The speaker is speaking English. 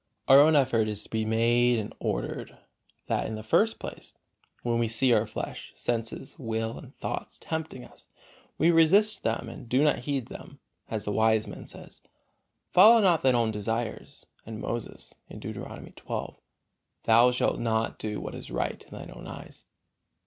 Our own effort is to be so made and ordered that, in the first place, when we see our flesh, senses, will and thoughts tempting us, we resist them and do not heed them, as the Wise Man says: "Follow not thine own desires." And Moses, Deuteronomy xii: "Thou shalt not do what is right in thine own eyes."